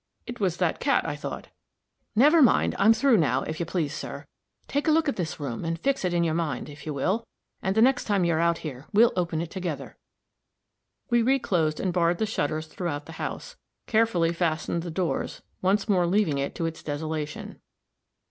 "It was that cat, I thought." "Never mind. I'm through now, if you please, sir. Take a look at this room, and fix it on your mind, if you will; and the next time you're out here, we'll open it together." We reclosed and barred the shutters throughout the house, carefully fastened the doors, once more leaving it to its desolation.